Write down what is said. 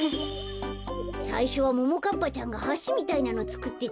さいしょはももかっぱちゃんがはしみたいなのつくってたんだよ。